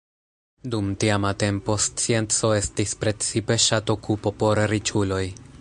Dum tiama tempo, scienco estis precipe ŝatokupo por riĉuloj.